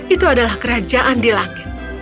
itu adalah kerajaan di langit